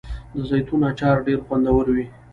د زیتون اچار ډیر خوندور وي.